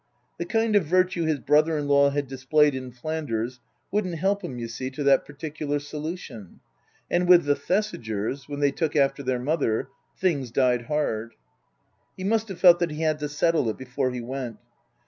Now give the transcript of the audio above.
The kind of virtue his brother in law had displayed in Flanders wouldn't help him, you see, to that particular solution. And with the Thesigers when they took after their mother things died hard. He must have felt that he had to settle it before he went.